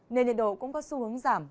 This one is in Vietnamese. nền nhiệt độ cũng có xu hướng giảm